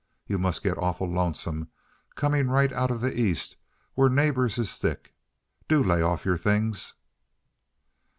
Yuh must git awful lonesome, comin' right out from the East where neighbors is thick. Do lay off yer things!"